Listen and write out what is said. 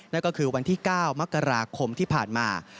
นั่นก็คือวันที่๙มกราคมที่ผ่านมา